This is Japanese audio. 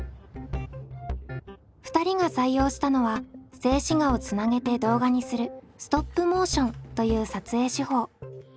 ２人が採用したのは静止画をつなげて動画にするストップモーションという撮影手法。